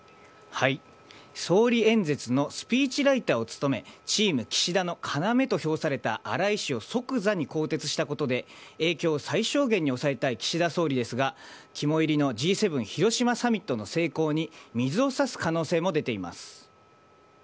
総理演説のスピーチライターを務め、チーム岸田の要と評された荒井氏を即座に更迭したことで、影響を最小限に抑えたい岸田総理ですが、肝煎りのＧ７広島サミットの成功に水を差す可能性も出ています。